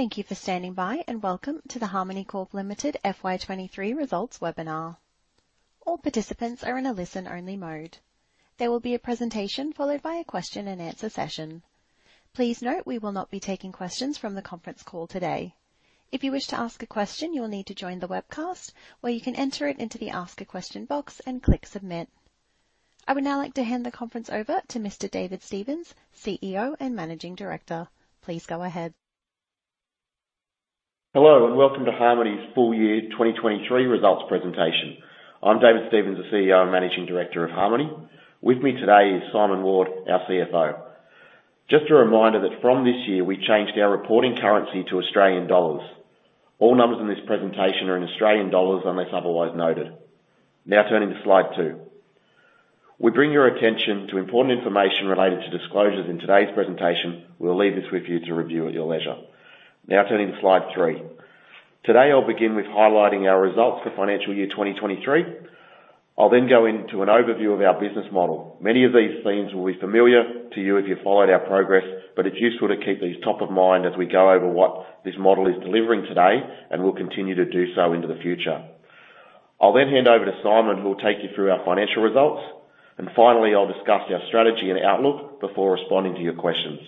Thank you for standing by, and welcome to the Harmoney Corp Limited FY 23 results webinar. All participants are in a listen-only mode. There will be a presentation followed by a Q&A session. Please note, we will not be taking questions from the conference call today. If you wish to ask a question, you will need to join the webcast, where you can enter it into the Ask a Question box and click Submit. I would now like to hand the conference over to Mr. David Stevens, CEO and Managing Director. Please go ahead. Hello, and welcome to Harmoney's full year 2023 results presentation. I'm David Stevens, the CEO and Managing Director of Harmoney. With me today is Simon Ward, our CFO. Just a reminder that from this year, we changed our reporting currency to Australian dollars. All numbers in this presentation are in Australian dollars, unless otherwise noted. Now turning to slide two. We bring your attention to important information related to disclosures in today's presentation. We'll leave this with you to review at your leisure. Now turning to slide three. Today, I'll begin with highlighting our results for financial year 2023. I'll then go into an overview of our business model. Many of these themes will be familiar to you if you followed our progress, but it's useful to keep these top of mind as we go over what this model is delivering today, and will continue to do so into the future. I'll then hand over to Simon, who will take you through our financial results. And finally, I'll discuss our strategy and outlook before responding to your questions.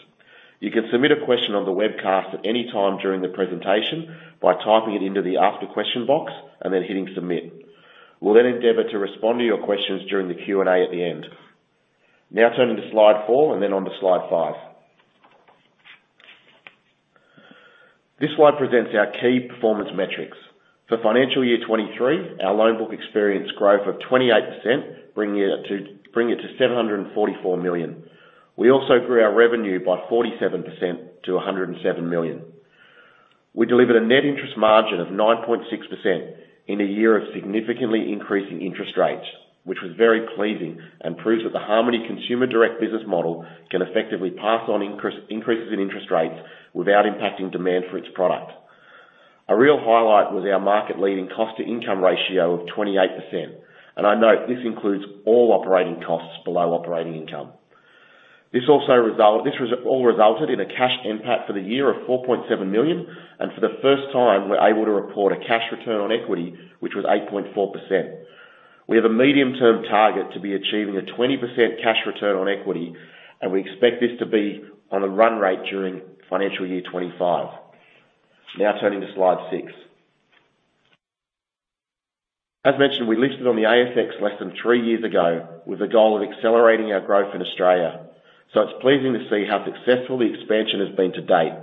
You can submit a question on the webcast at any time during the presentation by typing it into the Ask a Question box and then hitting Submit. We'll then endeavor to respond to your questions during the Q&A at the end. Now turning to slide four, and then on to slide five. This slide presents our key performance metrics. For financial year 2023, our loan book experienced growth of 28%, bringing it to 744 million. We also grew our revenue by 47% to 107 million. We delivered a net interest margin of 9.6% in a year of significantly increasing interest rates, which was very pleasing and proves that the Harmoney consumer direct business model can effectively pass on increases in interest rates without impacting demand for its product. A real highlight was our market-leading cost-to-income ratio of 28%, and I note this includes all operating costs below operating income. This all resulted in a Cash NPAT for the year of 4.7 million, and for the first time, we're able to report a cash return on equity, which was 8.4%. We have a medium-term target to be achieving a 20% cash return on equity, and we expect this to be on a run rate during financial year 2025. Now turning to slide six. As mentioned, we listed on the ASX less than three years ago with a goal of accelerating our growth in Australia. So it's pleasing to see how successful the expansion has been to date,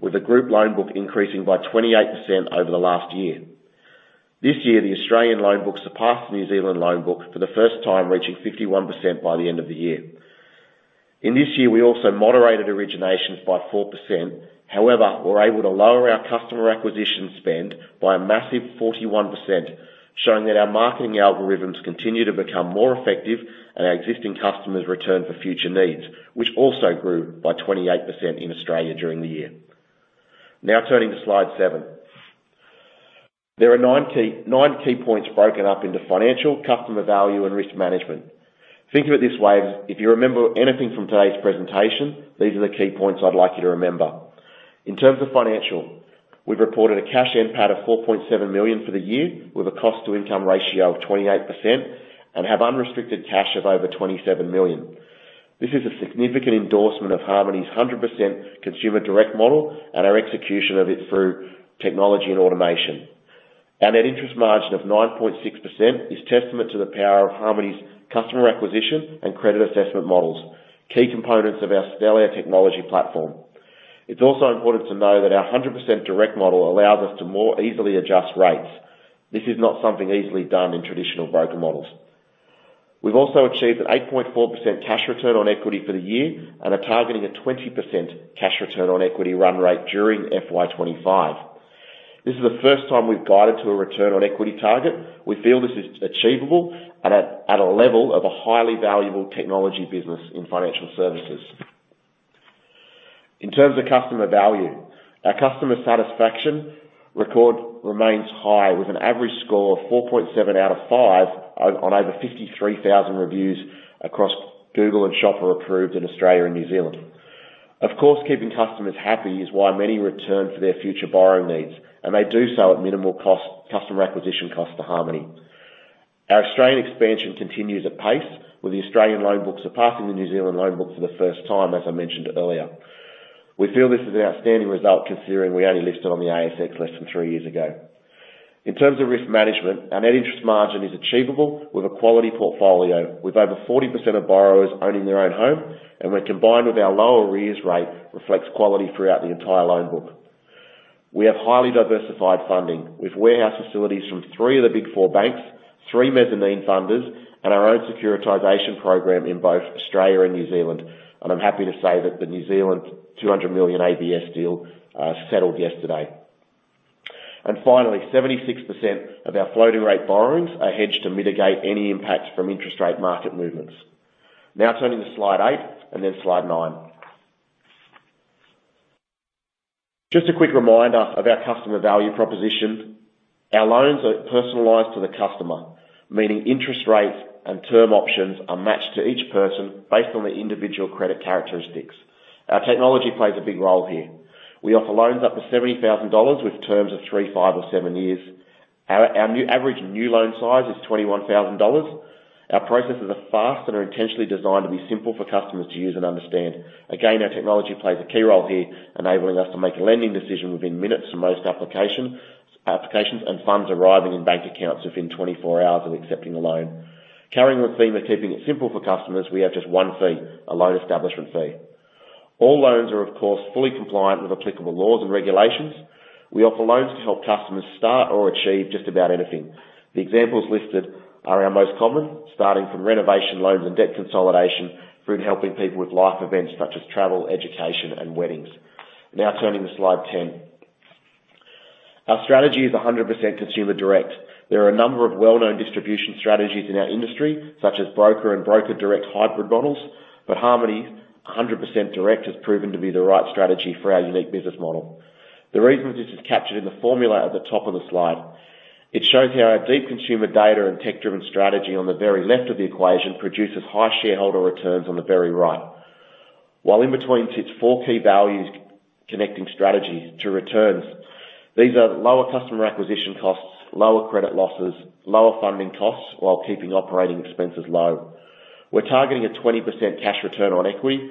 with the group loan book increasing by 28% over the last year. This year, the Australian loan book surpassed the New Zealand loan book for the first time, reaching 51% by the end of the year. In this year, we also moderated originations by 4%. However, we're able to lower our customer acquisition spend by a massive 41%, showing that our marketing algorithms continue to become more effective, and our existing customers return for future needs, which also grew by 28% in Australia during the year. Now turning to slide seven. There are key key, nine key points broken up into financial, customer value, and risk management. Think of it this way, if you remember anything from today's presentation, these are the key points I'd like you to remember. In terms of financial, we've reported a Cash NPAT of 4.7 million for the year, with a cost-to-income ratio of 28%, and have unrestricted cash of over 27 million. This is a significant endorsement of Harmoney's 100% consumer direct model and our execution of it through technology and automation. Our net interest margin of 9.6% is testament to the power of Harmoney's customer acquisition and credit assessment models, key components of our Stellare technology platform. It's also important to know that our 100% direct model allows us to more easily adjust rates. This is not something easily done in traditional broker models. We've also achieved an 8.4% cash return on equity for the year, and are targeting a 20% cash return on equity run rate during FY 2025. This is the first time we've guided to a return on equity target. We feel this is achievable at a level of a highly valuable technology business in financial services. In terms of customer value, our customer satisfaction record remains high, with an average score of 4.7 out of five on over 53,000 reviews across Google and Shopper Approved in Australia and New Zealand. Of course, keeping customers happy is why many return for their future borrowing needs, and they do so at minimal cost, customer acquisition costs to Harmoney. Our Australian expansion continues apace, with the Australian loan book surpassing the New Zealand loan book for the first time, as I mentioned earlier. We feel this is an outstanding result, considering we only listed on the ASX less than three years ago. In terms of risk management, our net interest margin is achievable with a quality portfolio, with over 40% of borrowers owning their own home, and when combined with our lower arrears rate, reflects quality throughout the entire loan book. We have highly diversified funding, with warehouse facilities from three of the Big Four banks, three mezzanine funders, and our own securitization program in both Australia and New Zealand. I'm happy to say that the New Zealand 200 million ABS deal settled yesterday. Finally, 76% of our floating rate borrowings are hedged to mitigate any impacts from interest rate market movements. Now turning to slide eight and then slide nine. Just a quick reminder of our customer value proposition. Our loans are personalized to the customer, meaning interest rates and term options are matched to each person based on their individual credit characteristics. Our technology plays a big role here. We offer loans up to $70,000, with terms of three, five or seven years. Our new average new loan size is $21,000. Our processes are fast and are intentionally designed to be simple for customers to use and understand. Again, our technology plays a key role here, enabling us to make a lending decision within minutes of most applications, and funds arriving in bank accounts within 24 hours of accepting a loan. Carrying the theme of keeping it simple for customers, we have just one fee, a loan establishment fee. All loans are, of course, fully compliant with applicable laws and regulations. We offer loans to help customers start or achieve just about anything. The examples listed are our most common, starting from renovation loans and debt consolidation, through to helping people with life events such as travel, education, and weddings. Now turning to slide 10. Our strategy is 100% consumer direct. There are a number of well-known distribution strategies in our industry, such as broker and broker direct hybrid models, but Harmoney, 100% direct, has proven to be the right strategy for our unique business model. The reason for this is captured in the formula at the top of the slide. It shows how our deep consumer data and tech-driven strategy on the very left of the equation, produces high shareholder returns on the very right. While in between sits four key values connecting strategy to returns. These are lower customer acquisition costs, lower credit losses, lower funding costs, while keeping operating expenses low. We're targeting a 20% cash return on equity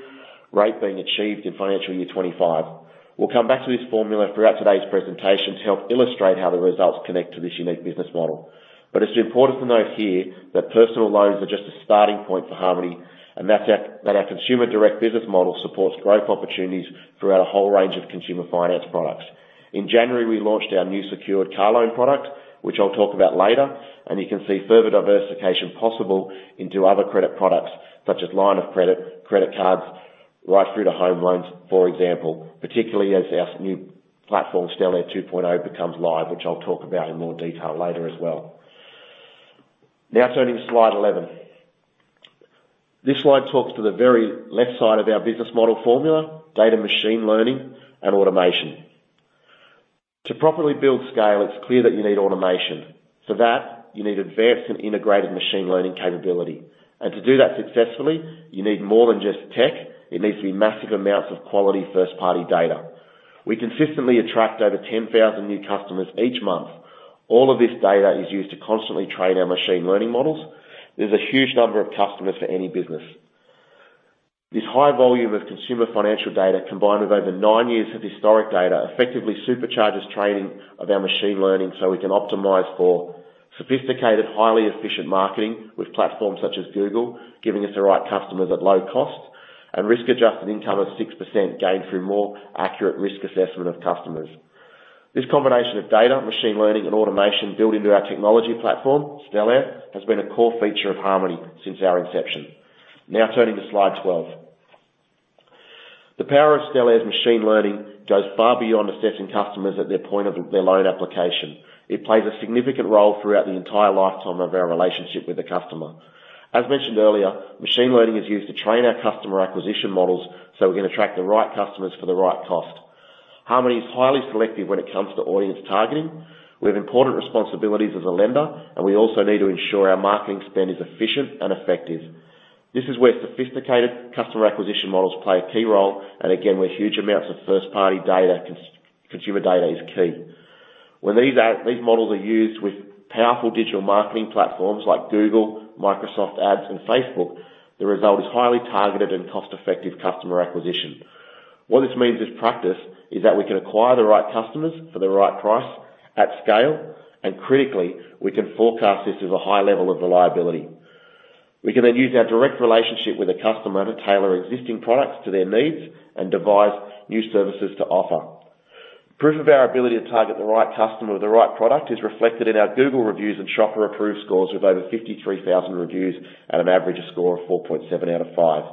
rate being achieved in financial year 2025. We'll come back to this formula throughout today's presentation to help illustrate how the results connect to this unique business model. But it's important to note here that personal loans are just a starting point for Harmoney, and that our consumer direct business model supports growth opportunities throughout a whole range of consumer finance products. In January, we launched our new secured car loan product, which I'll talk about later, and you can see further diversification possible into other credit products, such as line of credit, credit cards, right through to home loans, for example, particularly as our new platform, Stellare 2.0, becomes live, which I'll talk about in more detail later as well. Now turning to slide 11. This slide talks to the very left side of our business model formula, data machine learning and automation. To properly build scale, it's clear that you need automation. For that, you need advanced and integrated machine learning capability, and to do that successfully, you need more than just tech, it needs to be massive amounts of quality, first-party data. We consistently attract over 10,000 new customers each month. All of this data is used to constantly train our machine learning models. There's a huge number of customers for any business. This high volume of consumer financial data, combined with over nine years of historic data, effectively supercharges training of our machine learning, so we can optimize for sophisticated, highly efficient marketing with platforms such as Google, giving us the right customers at low cost, and risk-adjusted income of 6% gained through more accurate risk assessment of customers. This combination of data, machine learning, and automation built into our technology platform, Stellare, has been a core feature of Harmoney since our inception. Now turning to slide 12. The power of Stellare's machine learning goes far beyond assessing customers at their point of their loan application. It plays a significant role throughout the entire lifetime of our relationship with the customer. As mentioned earlier, machine learning is used to train our customer acquisition models, so we can attract the right customers for the right cost. Harmoney is highly selective when it comes to audience targeting. We have important responsibilities as a lender, and we also need to ensure our marketing spend is efficient and effective. This is where sophisticated customer acquisition models play a key role, and again, where huge amounts of first-party data consumer data is key. When these models are used with powerful digital marketing platforms like Google, Microsoft Ads, and Facebook, the result is highly targeted and cost-effective customer acquisition. What this means in practice, is that we can acquire the right customers for the right price at scale, and critically, we can forecast this with a high level of reliability. We can then use our direct relationship with the customer to tailor existing products to their needs and devise new services to offer. Proof of our ability to target the right customer with the right product is reflected in our Google reviews and Shopper Approved scores, with over 53,000 reviews at an average score of 4.7 out of five.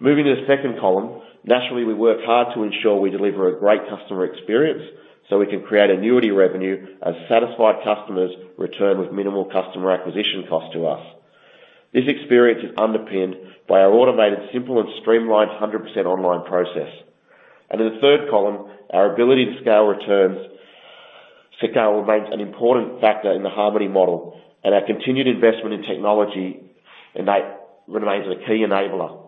Moving to the second column. Naturally, we work hard to ensure we deliver a great customer experience, so we can create annuity revenue as satisfied customers return with minimal customer acquisition cost to us. This experience is underpinned by our automated, simple, and streamlined 100% online process. In the third column, our ability to scale returns to scale remains an important factor in the Harmoney model, and our continued investment in technology remains a key enabler.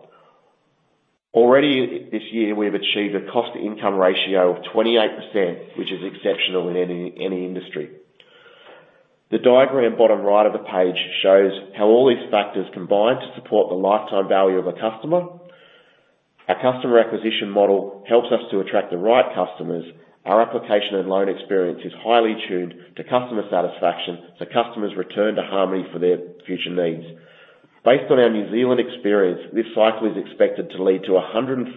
Already this year, we have achieved a cost-to-income ratio of 28%, which is exceptional in any industry. The diagram bottom right of the page shows how all these factors combine to support the lifetime value of a customer. Our customer acquisition model helps us to attract the right customers. Our application and loan experience is highly tuned to customer satisfaction, so customers return to Harmoney for their future needs. Based on our New Zealand experience, this cycle is expected to lead to 140%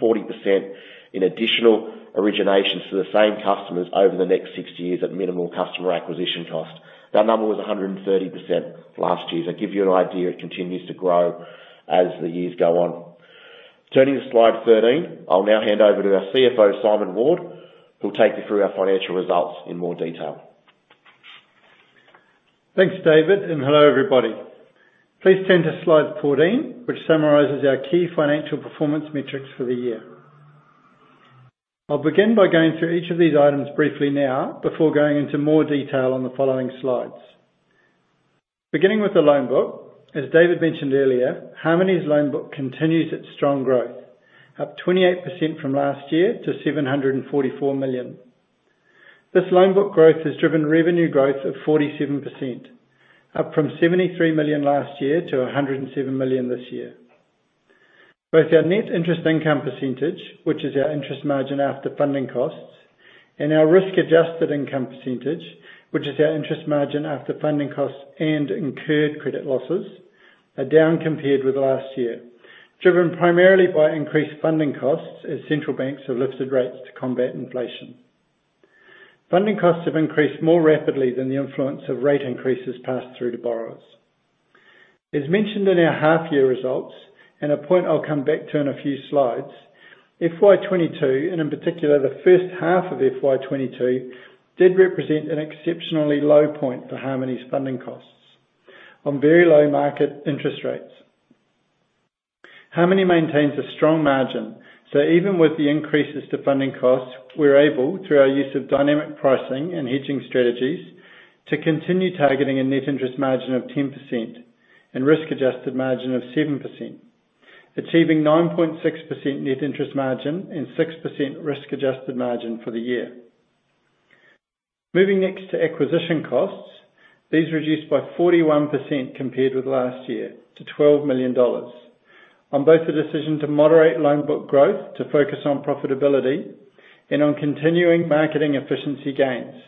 in additional originations to the same customers over the next 60 years at minimal customer acquisition cost. That number was 130% last year, to give you an idea, it continues to grow as the years go on. Turning to slide 13. I'll now hand over to our CFO, Simon Ward, who'll take you through our financial results in more detail. Thanks, David, and hello, everybody. Please turn to slide 14, which summarizes our key financial performance metrics for the year. I'll begin by going through each of these items briefly now, before going into more detail on the following slides. Beginning with the loan book, as David mentioned earlier, Harmoney's loan book continues its strong growth, up 28% from last year to 744 million. This loan book growth has driven revenue growth of 47%, up from 73 million last year to 107 million this year. Both our net interest income percentage, which is our interest margin after funding costs, and our risk-adjusted income percentage, which is our interest margin after funding costs and incurred credit losses, are down compared with last year, driven primarily by increased funding costs as central banks have lifted rates to combat inflation. Funding costs have increased more rapidly than the influence of rate increases passed through to borrowers. As mentioned in our half-year results, and a point I'll come back to in a few slides, FY 2022, and in particular, the first half of FY 2022, did represent an exceptionally low point for Harmoney's funding costs on very low market interest rates. Harmoney maintains a strong margin, so even with the increases to funding costs, we're able, through our use of dynamic pricing and hedging strategies, to continue targeting a net interest margin of 10% and risk-adjusted margin of 7%, achieving 9.6% net interest margin and 6% risk-adjusted margin for the year. Moving next to acquisition costs. These reduced by 41% compared with last year, to 12 million dollars, on both the decision to moderate loan book growth to focus on profitability and on continuing marketing efficiency gains,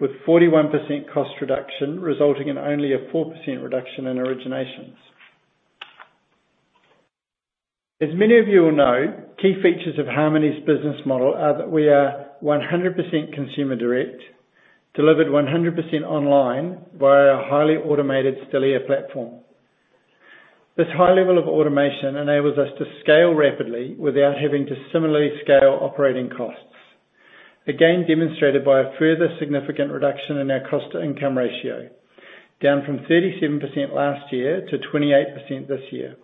with 41% cost reduction resulting in only a 4% reduction in originations. As many of you all know, key features of Harmoney's business model are that we are 100% consumer direct, delivered 100% online by our highly automated Stellare platform. This high level of automation enables us to scale rapidly without having to similarly scale operating costs. Again, demonstrated by a further significant reduction in our cost-to-income ratio, down from 37% last year to 28% this year.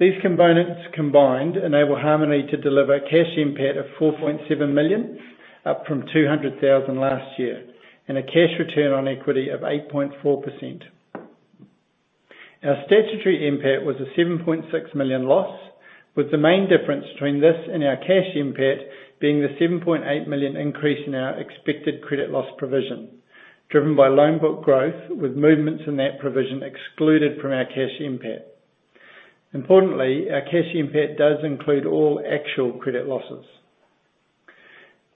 These components combined enable Harmoney to deliver Cash NPAT of 4.7 million, up from 200,000 last year, and a cash return on equity of 8.4%. Our statutory NPAT was a 7.6 million loss, with the main difference between this and our Cash NPAT being the 7.8 million increase in our expected credit loss provision, driven by loan book growth, with movements in that provision excluded from our Cash NPAT. Importantly, our Cash NPAT does include all actual credit losses.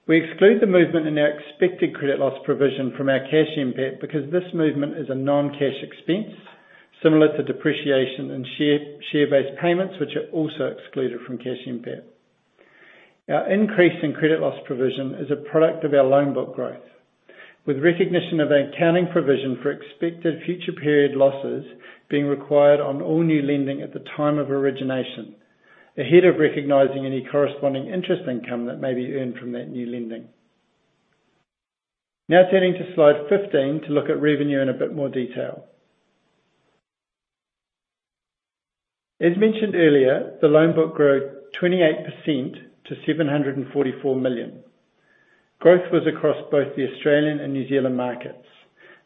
We exclude the movement in our expected credit loss provision from our Cash NPAT, because this movement is a non-cash expense, similar to depreciation and share-based payments, which are also excluded from Cash NPAT. Our increase in credit loss provision is a product of our loan book growth, with recognition of accounting provision for expected future period losses being required on all new lending at the time of origination, ahead of recognizing any corresponding interest income that may be earned from that new lending. Now turning to slide 15 to look at revenue in a bit more detail. As mentioned earlier, the loan book grew 28% to 744 million. Growth was across both the Australian and New Zealand markets,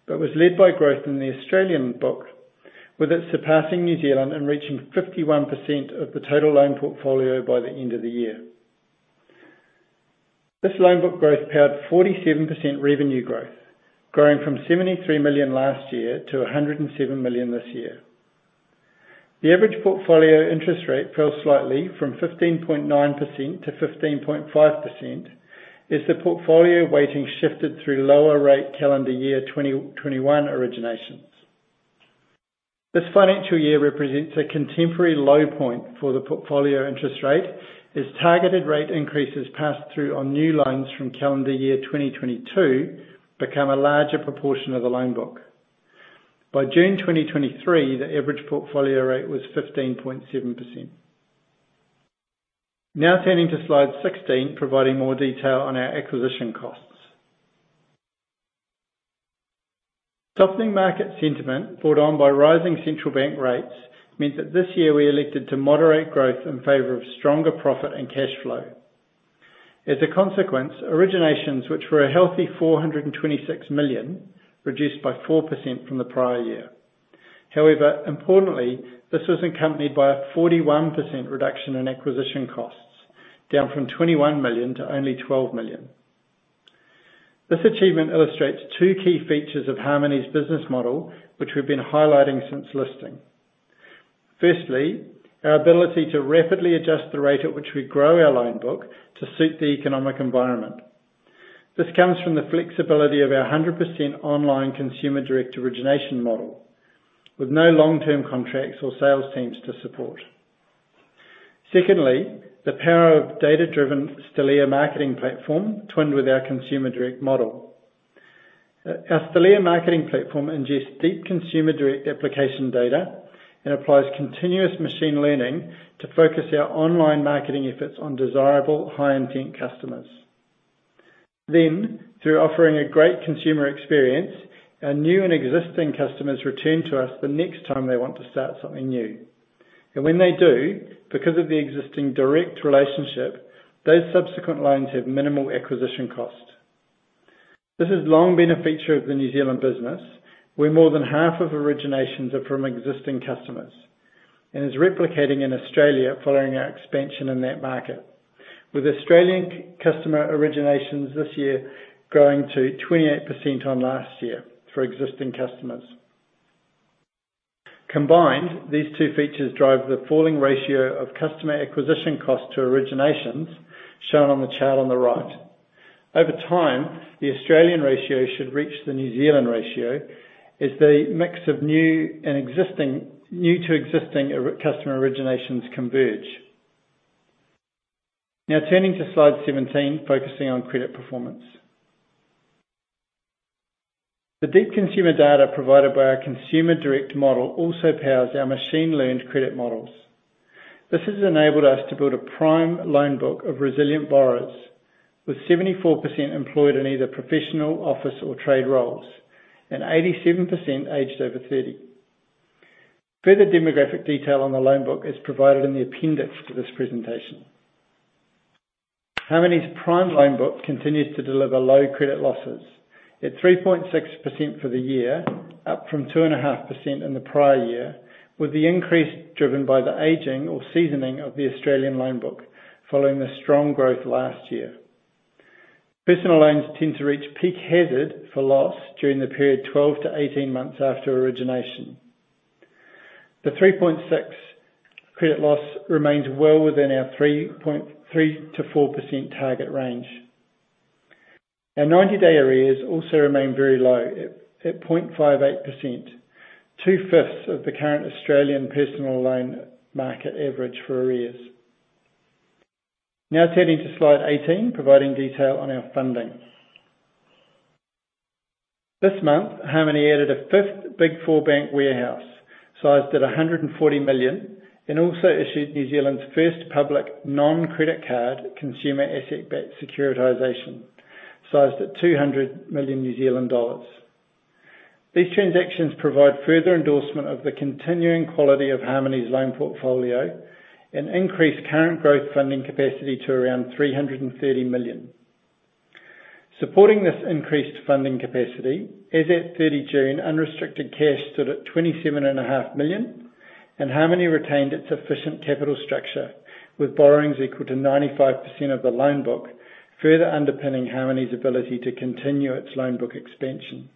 but was led by growth in the Australian book, with it surpassing New Zealand and reaching 51% of the total loan portfolio by the end of the year. This loan book growth powered 47% revenue growth, growing from 73 million last year to 107 million this year. The average portfolio interest rate fell slightly from 15.9% to 15.5%, as the portfolio weighting shifted through lower rate calendar year 2021 originations. This financial year represents a contemporary low point for the portfolio interest rate, as targeted rate increases passed through on new loans from calendar year 2022 become a larger proportion of the loan book. By June 2023, the average portfolio rate was 15.7%. Now turning to Slide 16, providing more detail on our acquisition costs. Softening market sentiment brought on by rising central bank rates means that this year we elected to moderate growth in favor of stronger profit and cash flow. As a consequence, originations, which were a healthy 426 million, reduced by 4% from the prior year. However, importantly, this was accompanied by a 41% reduction in acquisition costs, down from 21 million to only 12 million. This achievement illustrates two key features of Harmoney's business model, which we've been highlighting since listing. Firstly, our ability to rapidly adjust the rate at which we grow our loan book to suit the economic environment. This comes from the flexibility of our 100% online consumer direct origination model, with no long-term contracts or sales teams to support. Secondly, the power of data-driven Stellare marketing platform, twinned with our consumer direct model. Our Stellare marketing platform ingests deep consumer direct application data and applies continuous machine learning to focus our online marketing efforts on desirable, high-intent customers. Then, through offering a great consumer experience, our new and existing customers return to us the next time they want to start something new. And when they do, because of the existing direct relationship, those subsequent loans have minimal acquisition cost. This has long been a feature of the New Zealand business, where more than half of originations are from existing customers, and is replicating in Australia following our expansion in that market. With Australian customer originations this year growing to 28% on last year for existing customers. Combined, these two features drive the falling ratio of customer acquisition costs to originations, shown on the chart on the right. Over time, the Australian ratio should reach the New Zealand ratio as the mix of new to existing customer originations converge. Now turning to slide 17, focusing on credit performance. The deep consumer data provided by our consumer direct model also powers our machine-learned credit models. This has enabled us to build a prime loan book of resilient borrowers, with 74% employed in either professional, office, or trade roles, and 87% aged over thirty. Further demographic detail on the loan book is provided in the appendix to this presentation. Harmoney's prime loan book continues to deliver low credit losses. At 3.6% for the year, up from 2.5% in the prior year, with the increase driven by the aging or seasoning of the Australian loan book following the strong growth last year. Personal loans tend to reach peak hazard for loss during the period 12-18 months after origination. The 3.6 credit loss remains well within our 3%-4% target range. Our 90-day arrears also remain very low, at 0.58%, 2/5 of the current Australian personal loan market average for arrears. Now turning to slide 18, providing detail on our funding. This month, Harmoney added a fifth big four bank warehouse, sized at 140 million, and also issued New Zealand's first public non-credit card consumer asset-backed securitization, sized at 200 million New Zealand dollars. These transactions provide further endorsement of the continuing quality of Harmoney's loan portfolio and increase current growth funding capacity to around 330 million. Supporting this increased funding capacity, as at 30 June, unrestricted cash stood at 27.5 million, and Harmoney retained its efficient capital structure, with borrowings equal to 95% of the loan book, further underpinning Harmoney's ability to continue its loan book expansion.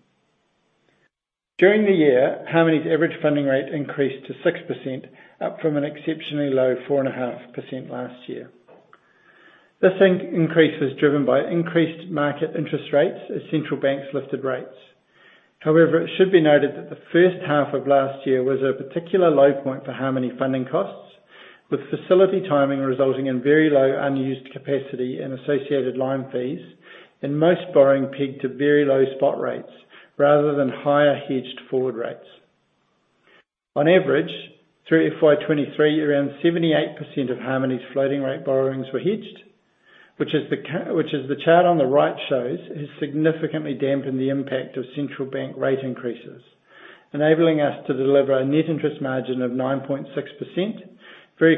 During the year, Harmoney's average funding rate increased to 6%, up from an exceptionally low 4.5% last year. This increase was driven by increased market interest rates as central banks lifted rates. However, it should be noted that the first half of last year was a particular low point for Harmoney funding costs, with facility timing resulting in very low unused capacity and associated line fees, and most borrowing pegged to very low spot rates rather than higher hedged forward rates. On average, through FY 2023, around 78% of Harmoney's floating rate borrowings were hedged, which, as the chart on the right shows, has significantly dampened the impact of central bank rate increases, enabling us to deliver a net interest margin of 9.6%, very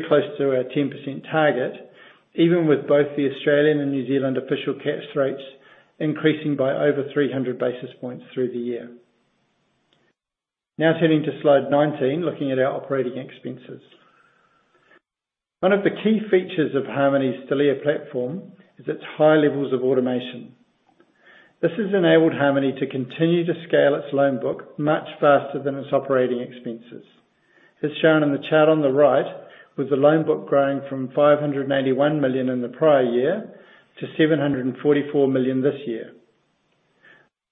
close to our 10% target, even with both the Australian and New Zealand official cash rates increasing by over 300 basis points through the year. Now turning to slide 19, looking at our operating expenses. One of the key features of Harmoney's Stellare platform is its high levels of automation. This has enabled Harmoney to continue to scale its loan book much faster than its operating expenses. As shown in the chart on the right, with the loan book growing from 581 million in the prior year to 744 million this year.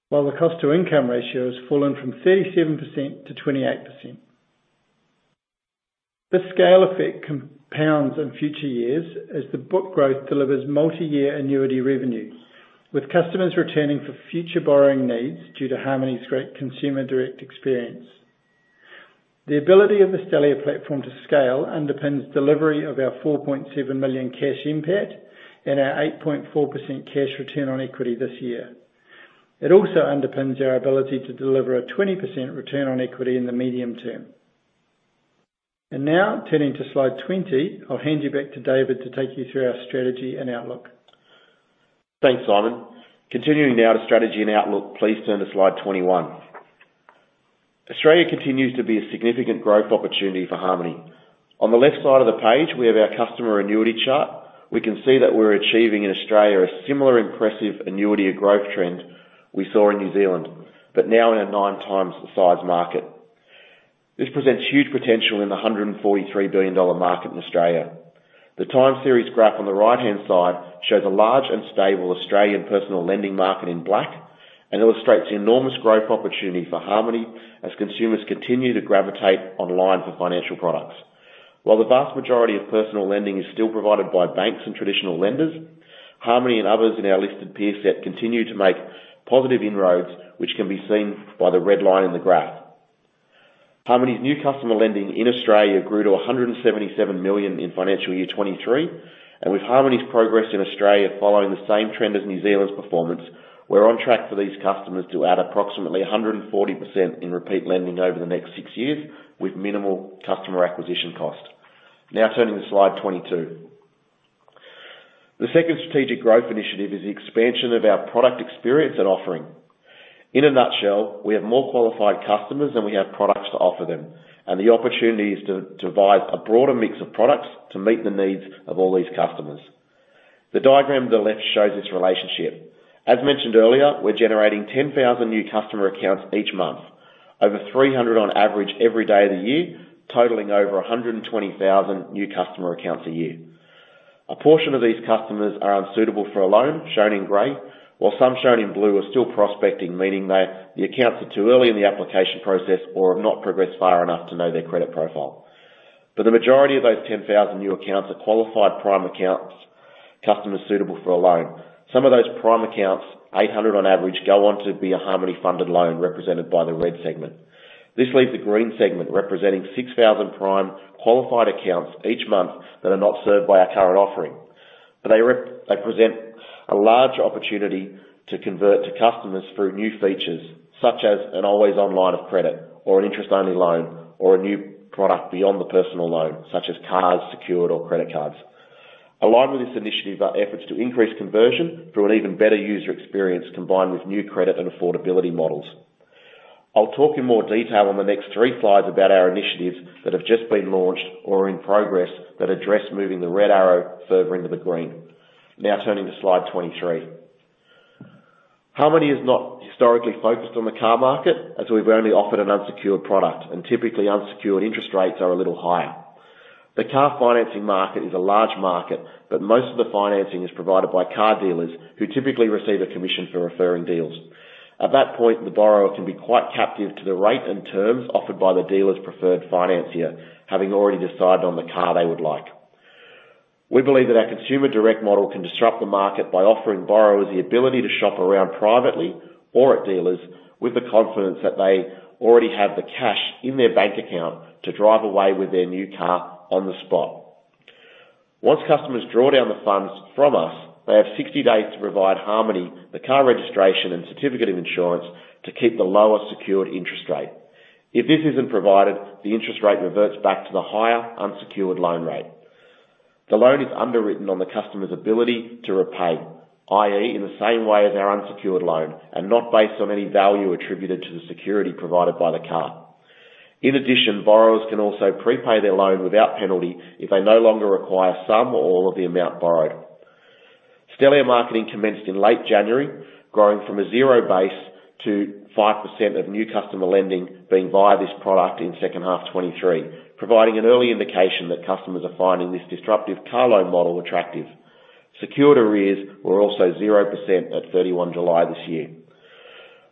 While the cost to income ratio has fallen from 37%-28%. This scale effect compounds in future years as the book growth delivers multiyear annuity revenues, with customers returning for future borrowing needs due to Harmoney's great consumer direct experience. The ability of the Stellare platform to scale underpins delivery of our 4.7 million Cash NPAT and our 8.4% cash return on equity this year. It also underpins our ability to deliver a 20% return on equity in the medium term. Now, turning to slide 20, I'll hand you back to David to take you through our strategy and outlook. Thanks, Simon. Continuing now to strategy and outlook, please turn to slide 21. Australia continues to be a significant growth opportunity for Harmoney. On the left side of the page, we have our customer annuity chart. We can see that we're achieving in Australia a similar impressive annuity and growth trend we saw in New Zealand, but now in a 9x the size market. This presents huge potential in the 143 billion dollar market in Australia. The time series graph on the right-hand side shows a large and stable Australian personal lending market in black, and illustrates the enormous growth opportunity for Harmoney as consumers continue to gravitate online for financial products. While the vast majority of personal lending is still provided by banks and traditional lenders, Harmoney and others in our listed peer set continue to make positive inroads, which can be seen by the red line in the graph. Harmoney's new customer lending in Australia grew to 177 million in financial year 2023, and with Harmoney's progress in Australia following the same trend as New Zealand's performance, we're on track for these customers to add approximately 140% in repeat lending over the next six years, with minimal customer acquisition cost. Now turning to slide 22. The second strategic growth initiative is the expansion of our product experience and offering. In a nutshell, we have more qualified customers than we have products to offer them, and the opportunity is to provide a broader mix of products to meet the needs of all these customers. The diagram on the left shows this relationship. As mentioned earlier, we're generating 10,000 new customer accounts each month, over 300 on average every day of the year, totaling over 120,000 new customer accounts a year. A portion of these customers are unsuitable for a loan, shown in gray, while some shown in blue are still prospecting, meaning the accounts are too early in the application process or have not progressed far enough to know their credit profile. But the majority of those 10,000 new accounts are qualified prime accounts, customers suitable for a loan. Some of those prime accounts, 800 on average, go on to be a Harmoney-funded loan, represented by the red segment. This leaves the green segment, representing 6,000 prime qualified accounts each month, that are not served by our current offering. But they present a large opportunity to convert to customers through new features, such as an always-on line of credit, or an interest-only loan, or a new product beyond the personal loan, such as cars, secured, or credit cards. Along with this initiative, are efforts to increase conversion through an even better user experience, combined with new credit and affordability models. I'll talk in more detail on the next three slides about our initiatives that have just been launched or are in progress, that address moving the red arrow further into the green. Now turning to slide 23. Harmoney has not historically focused on the car market, as we've only offered an unsecured product, and typically, unsecured interest rates are a little higher. The car financing market is a large market, but most of the financing is provided by car dealers, who typically receive a commission for referring deals. At that point, the borrower can be quite captive to the rate and terms offered by the dealer's preferred financier, having already decided on the car they would like. We believe that our consumer direct model can disrupt the market by offering borrowers the ability to shop around privately or at dealers, with the confidence that they already have the cash in their bank account to drive away with their new car on the spot. Once customers draw down the funds from us, they have 60 days to provide Harmoney, the car registration and certificate of insurance, to keep the lower secured interest rate. If this isn't provided, the interest rate reverts back to the higher unsecured loan rate. The loan is underwritten on the customer's ability to repay, i.e., in the same way as our unsecured loan, and not based on any value attributed to the security provided by the car. In addition, borrowers can also prepay their loan without penalty if they no longer require some or all of the amount borrowed. Stellare marketing commenced in late January, growing from a zero base to 5% of new customer lending being via this product in second half 2023, providing an early indication that customers are finding this disruptive car loan model attractive. Secured arrears were also 0% at 31 July this year.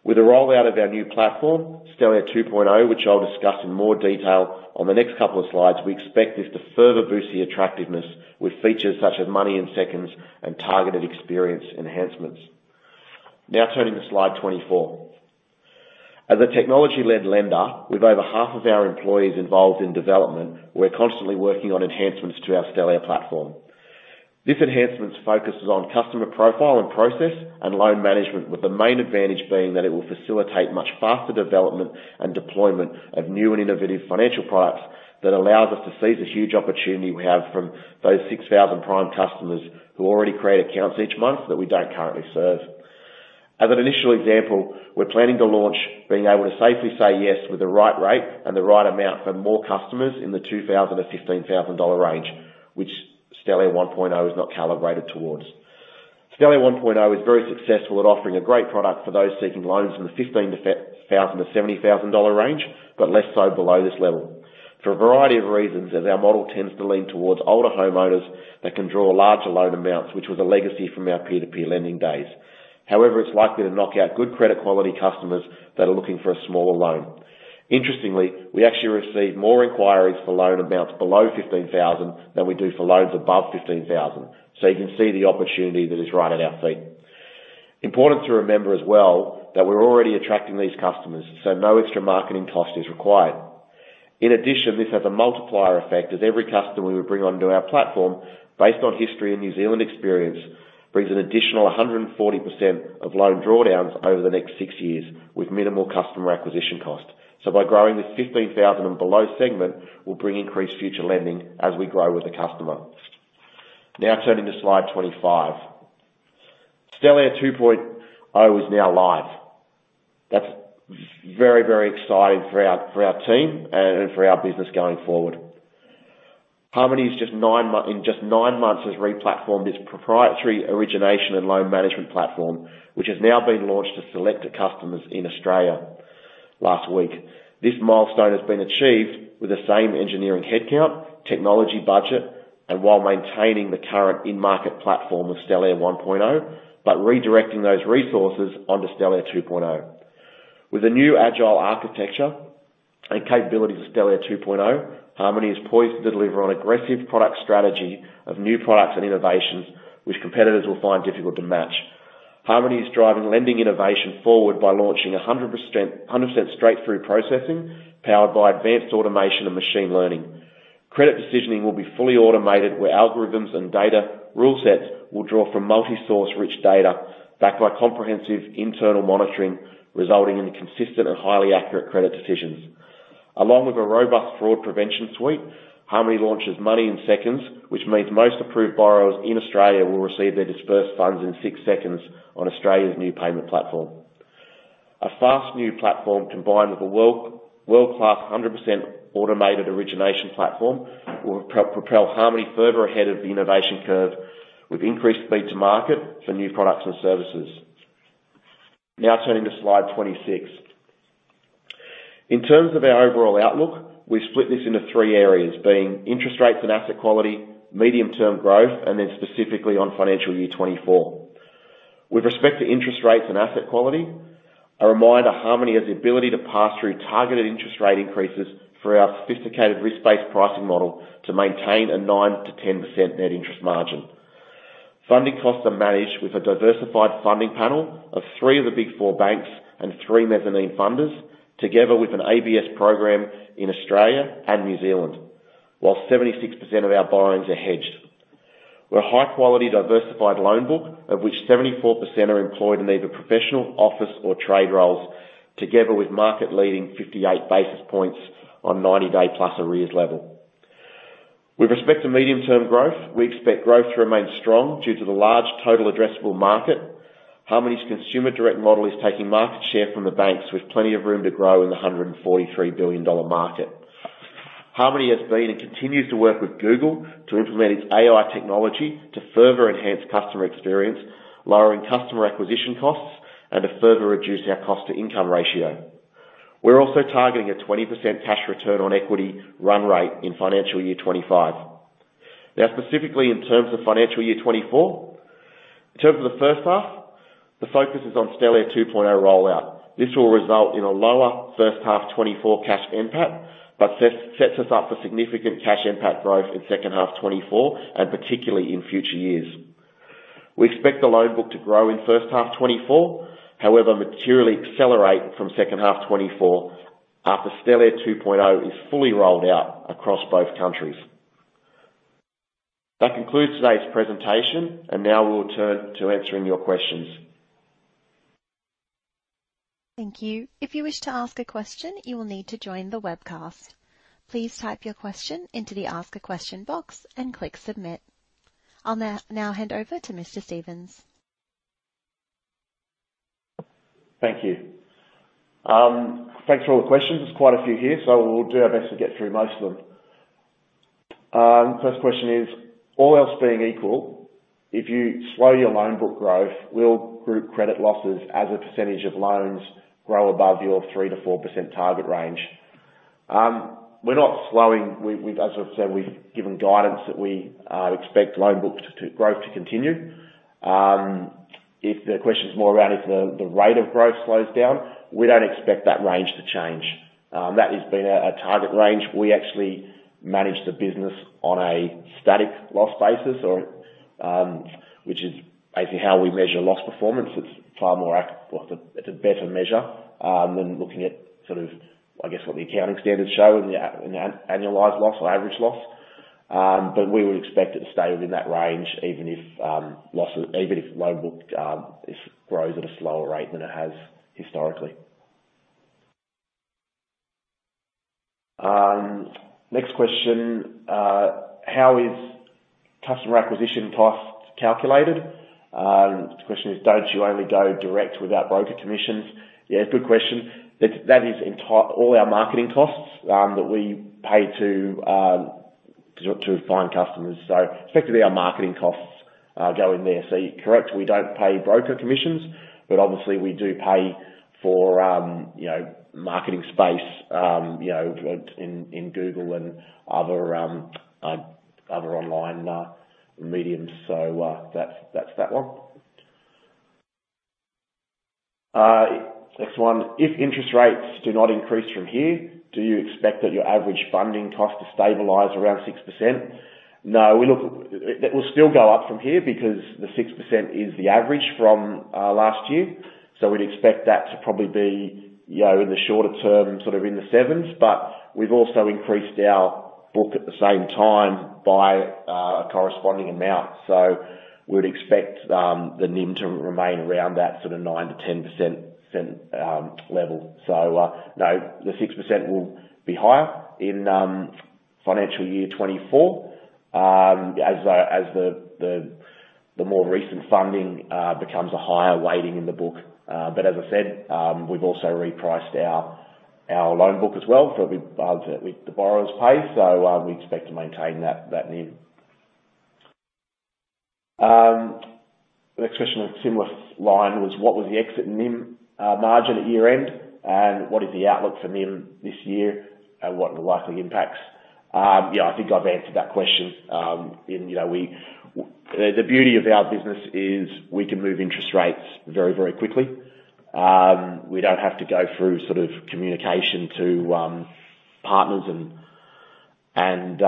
With the rollout of our new platform, Stellare 2.0, which I'll discuss in more detail on the next couple of slides, we expect this to further boost the attractiveness with features such as money in seconds and targeted experience enhancements. Now turning to slide 24. As a technology-led lender, with over half of our employees involved in development, we're constantly working on enhancements to our Stellare platform. This enhancements focuses on customer profile and process and loan management, with the main advantage being that it will facilitate much faster development and deployment of new and innovative financial products, that allows us to seize the huge opportunity we have from those 6,000 prime customers who already create accounts each month, that we don't currently serve. As an initial example, we're planning to launch being able to safely say yes with the right rate and the right amount for more customers in the $2,000-$15,000 range, which Stellare 1.0 is not calibrated towards. Stellare 1.0 is very successful at offering a great product for those seeking loans from the $15,000-$70,000 range, but less so below this level. For a variety of reasons, as our model tends to lean towards older homeowners that can draw larger loan amounts, which was a legacy from our peer-to-peer lending days. However, it's likely to knock out good credit quality customers that are looking for a smaller loan. Interestingly, we actually receive more inquiries for loan amounts below 15,000 than we do for loans above 15,000, so you can see the opportunity that is right at our feet. Important to remember as well, that we're already attracting these customers, so no extra marketing cost is required. In addition, this has a multiplier effect, as every customer we would bring onto our platform, based on history and New Zealand experience, brings an additional a 140% of loan drawdowns over the next six years, with minimal customer acquisition cost. So by growing this 15,000 and below segment, will bring increased future lending as we grow with the customer. Now turning to slide 25. Stellare 2.0 is now live. That's very, very exciting for our team and for our business going forward. Harmoney, in just nine months, has replatformed its proprietary origination and loan management platform, which has now been launched to selected customers in Australia last week. This milestone has been achieved with the same engineering headcount, technology budget, while maintaining the current in-market platform of Stellare 1.0, by redirecting those resources onto Stellare 2.0. With the new agile architecture and capabilities of Stellare 2.0, Harmoney is poised to deliver on aggressive product strategy of new products and innovations, which competitors will find difficult to match. Harmoney is driving lending innovation forward by launching 100%, 100% straight-through processing, powered by advanced automation and machine learning. Credit decisioning will be fully automated, where algorithms and data rule sets will draw from multi-source rich data, backed by comprehensive internal monitoring, resulting in consistent and highly accurate credit decisions. Along with a robust fraud prevention suite, Harmoney launches Money in Seconds, which means most approved borrowers in Australia will receive their dispersed funds in six seconds on Australia's new payment platform. A fast new platform, combined with a world-class 100% automated origination platform, will propel Harmoney further ahead of the innovation curve, with increased speed to market for new products and services. Now turning to slide 26. In terms of our overall outlook, we've split this into three areas being interest rates and asset quality, medium-term growth, and then specifically on financial year 2024. With respect to interest rates and asset quality, a reminder, Harmoney has the ability to pass through targeted interest rate increases through our sophisticated risk-based pricing model to maintain a 9%-10% net interest margin. Funding costs are managed with a diversified funding panel of three of the Big Four banks and three mezzanine funders, together with an ABS program in Australia and New Zealand, while 76% of our borrowings are hedged. We're a high-quality, diversified loan book, of which 74% are employed in either professional, office, or trade roles, together with market-leading 58 basis points on 90-day-plus arrears level. With respect to medium-term growth, we expect growth to remain strong due to the large total addressable market. Harmoney's consumer direct model is taking market share from the banks, with plenty of room to grow in the $143 billion market. Harmoney has been, and continues to work with Google to implement its AI technology to further enhance customer experience, lowering customer acquisition costs, and to further reduce our cost-to-income ratio. We're also targeting a 20% cash return on equity run rate in financial year 2025. Now, specifically in terms of financial year 2024, in terms of the first half, the focus is on Stellare 2.0 rollout. This will result in a lower first half 2024 Cash NPAT, but sets us up for significant Cash NPAT growth in second half 2024, and particularly in future years. We expect the loan book to grow in first half 2024, however, materially accelerate from second half 2024, after Stellare 2.0 is fully rolled out across both countries. That concludes today's presentation, and now we'll turn to answering your questions. Thank you. If you wish to ask a question, you will need to join the webcast. Please type your question into the Ask a Question box and click Submit. I'll now hand over to Mr. Stevens. Thank you. Thanks for all the questions. There's quite a few here, so we'll do our best to get through most of them. First question is: All else being equal, if you slow your loan book growth, will group credit losses as a percentage of loans grow above your 3%-4% target range? We're not slowing. As I've said, we've given guidance that we expect loan book to growth to continue. If the question is more around, if the rate of growth slows down, we don't expect that range to change. That has been a target range. We actually manage the business on a static loss basis, or, which is basically how we measure loss performance. It's far more well, it's a better measure than looking at sort of, I guess, what the accounting standards show in the annualized loss or average loss. But we would expect it to stay within that range, even if losses even if loan book grows at a slower rate than it has historically. Next question: How is customer acquisition costs calculated? The question is, don't you only go direct without broker commissions? Yeah, good question. That is all our marketing costs that we pay to find customers. So effectively, our marketing costs go in there. So you're correct, we don't pay broker commissions, but obviously we do pay for you know, marketing space you know, in Google and other online mediums. So, that's that one. Next one: If interest rates do not increase from here, do you expect that your average funding cost to stabilize around 6%? No. It will still go up from here because the 6% is the average from last year. So we'd expect that to probably be, you know, in the shorter term, sort of in the sevens, but we've also increased our book at the same time by a corresponding amount. So we'd expect the NIM to remain around that sort of 9%-10% level. So, no, the 6% will be higher in financial year 2024, as the more recent funding becomes a higher weighting in the book. But as I said, we've also repriced our loan book as well, so we with the borrowers pay, so we expect to maintain that NIM. The next question, a similar line was: What was the exit NIM margin at year-end? And what is the outlook for NIM this year, and what are the likely impacts? Yeah, I think I've answered that question. In you know, the beauty of our business is we can move interest rates very, very quickly. We don't have to go through sort of communication to partners and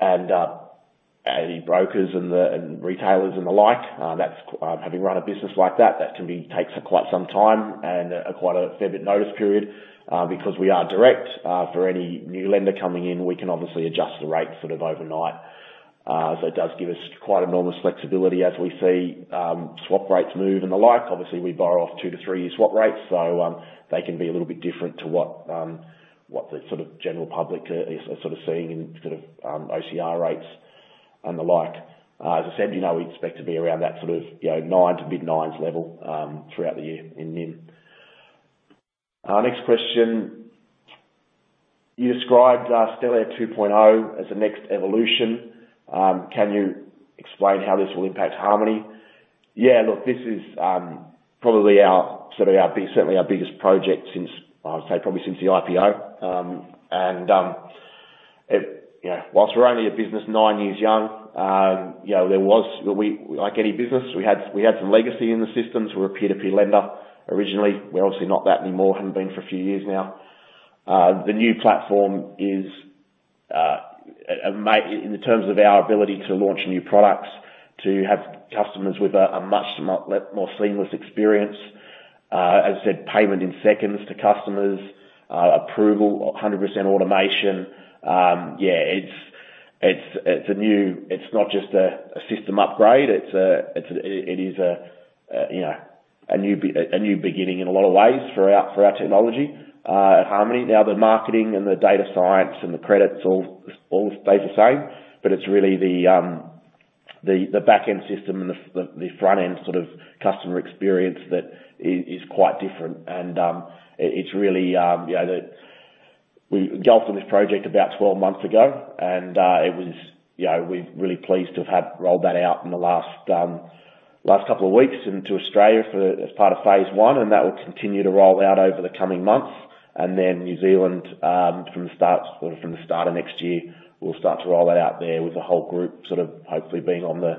the brokers and the retailers and the like, that's having run a business like that that takes quite some time and quite a fair bit notice period. Because we are direct, for any new lender coming in, we can obviously adjust the rate sort of overnight. So it does give us quite enormous flexibility as we see, swap rates move and the like. Obviously, we borrow off two to three year swap rates, so, they can be a little bit different to what, what the sort of general public, is, are sort of seeing in sort of, OCR rates and the like. As I said, you know, we expect to be around that sort of, you know, 9%-mid-9s level, throughout the year in NIM. Next question: "You described, Stellare 2.0 as the next evolution. Can you explain how this will impact Harmoney? Yeah, look, this is, probably our, sort of our, certainly our biggest project since, I would say, probably since the IPO. You know, whilst we're only a business nine years young, you know, like any business, we had some legacy in the systems. We're a peer-to-peer lender originally. We're obviously not that anymore, haven't been for a few years now. The new platform is in the terms of our ability to launch new products, to have customers with a much more seamless experience, as I said, payment in seconds to customers, approval, 100% automation. Yeah, it's a new, it's not just a system upgrade, it's a, it is a, you know, a new beginning in a lot of ways for our technology at Harmoney. Now, the marketing and the data science and the credits all stays the same, but it's really the back-end system and the front-end sort of customer experience that is quite different. It's really, you know, the... We jumped on this project about 12 months ago, and it was, you know, we're really pleased to have had rolled that out in the last couple of weeks into Australia as part of phase one, and that will continue to roll out over the coming months. Then New Zealand, from the start, sort of, from the start of next year, we'll start to roll that out there with the whole group sort of hopefully being on the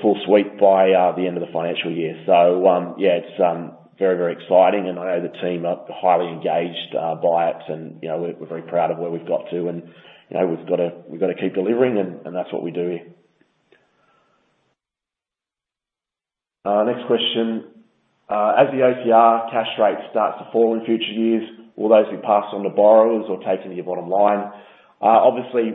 full suite by the end of the financial year. So, yeah, it's very, very exciting, and I know the team are highly engaged by it, and, you know, we're very proud of where we've got to, and, you know, we've got to keep delivering, and that's what we do. Next question. "As the OCR cash rate starts to fall in future years, will those be passed on to borrowers or taken to your bottom line?" Obviously,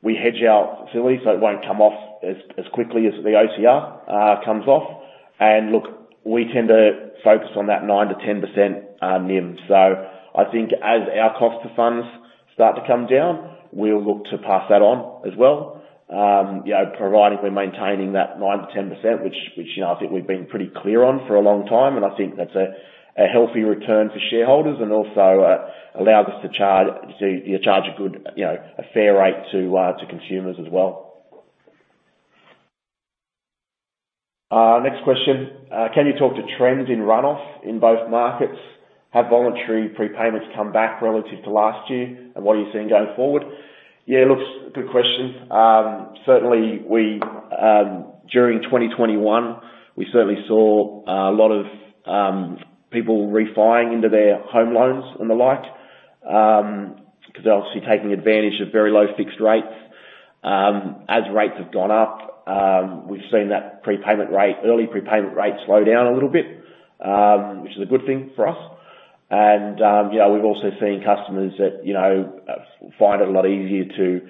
we hedge our facilities, so it won't come off as quickly as the OCR comes off. And look, we tend to focus on that 9%-10% NIM. So I think as our cost of funds start to come down, we'll look to pass that on as well. You know, provided we're maintaining that 9%-10%, which you know, I think we've been pretty clear on for a long time, and I think that's a healthy return for shareholders and also allows us to charge you know, charge a good you know, a fair rate to consumers as well. Next question: "Can you talk to trends in runoff in both markets? Have voluntary prepayments come back relative to last year, and what are you seeing going forward?" Yeah, look, good question. Certainly, we, during 2021, we certainly saw a lot of people refinancing into their home loans and the like, because they're obviously taking advantage of very low fixed rates. As rates have gone up, we've seen that prepayment rate, early prepayment rate slow down a little bit, which is a good thing for us. And, you know, we've also seen customers that, you know, find it a lot easier to